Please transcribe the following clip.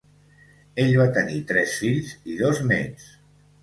Ell va tenir tres fills i dos nets.